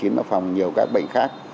nó phòng nhiều các bệnh khác